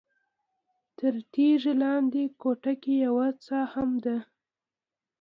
تر تیږې لاندې کوټه کې یوه څاه هم ده.